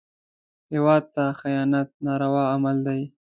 هېواد ته خیانت ناروا عمل دی